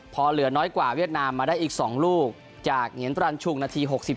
พอเหลือน้อยกว่าเวียดนามมาได้อีก๒ลูกจากเหงียนตรันชุงนาที๖๗